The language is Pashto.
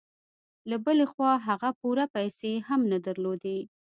له بلې خوا هغه پوره پيسې هم نه درلودې.